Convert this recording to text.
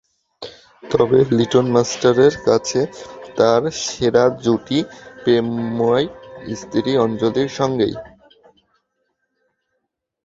তবে লিটল মাস্টারের কাছে তাঁর সেরা জুটি প্রেমময় স্ত্রী অঞ্জলির সঙ্গেই।